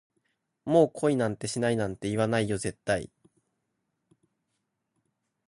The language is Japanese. もう恋なんてしないなんて、言わないよ絶対